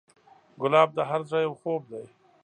ګلاب د هر زړه یو خوب دی.